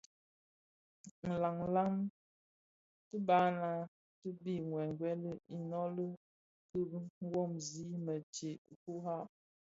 Nlanlan tibaňa ti bë wewel inoli ki womzi më ntsee kurak.